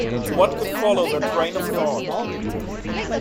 One could follow the train of thought.